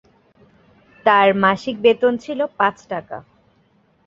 তার মাসিক বেতন ছিল পাঁচ টাকা।